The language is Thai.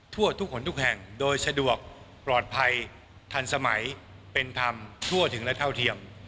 ทุกคนทุกแห่งโดยสะดวกปลอดภัยทันสมัยเป็นธรรมทั่วถึงและเท่าเทียม